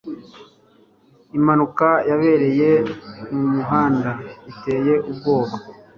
Impanuka yabereye mumuhanda iteye ubwoba